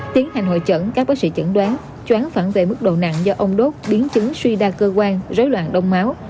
tiến hành hội chẩn các bác sĩ chẩn đoán choán phản vệ mức độ nặng do ông đốt biến chứng suy đa cơ quan rối loạn đông máu